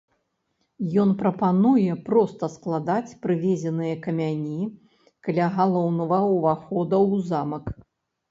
Ён прапануе проста складаць прывезеныя камяні каля галоўнага ўваходу ў замак.